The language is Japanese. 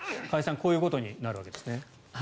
加谷さんこういうことになるわけですね。